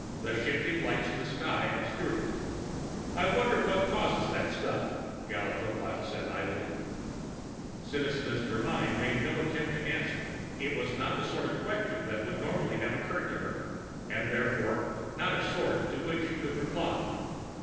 The shifting lights in the sky obscured it. "I wonder what causes that stuff," Gala Tropile said idly. Citizeness Germyn made no attempt to answer. It was not the sort of question that would normally have occurred to her and therefore not a sort to which she could reply.